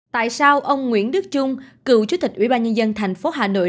tại sao ông nguyễn đức trung cựu chủ tịch ủy ban nhân dân thành phố hà nội